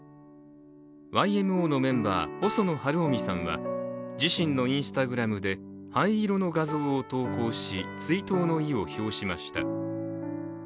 ＹＭＯのメンバー・細野晴臣さんは自身のＩｎｓｔａｇｒａｍで灰色の画像を投稿し追悼の意を表しました。